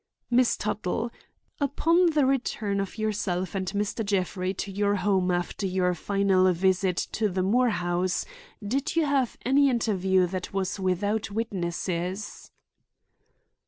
"Miss Tuttle; upon the return of yourself and Mr. Jeffrey to your home after your final visit to the Moore house, did you have any interview that was without witnesses?"